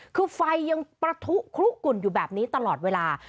คือไฟยังประทุคลุกลุ่นอยู่แบบนี้ตลอดเวลา